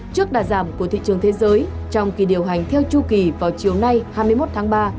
trước đà giảm của thị trường thế giới trong kỳ điều hành theo chu kỳ vào chiều nay hai mươi một tháng ba